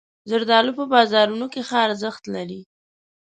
زردالو په بازارونو کې ښه ارزښت لري.